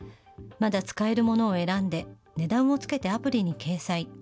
まだ使えるものを選んで、値段をつけてアプリに掲載。